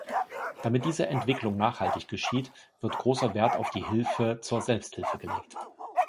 Damit diese Entwicklung nachhaltig geschieht, wird großer Wert auf die Hilfe zur Selbsthilfe gelegt.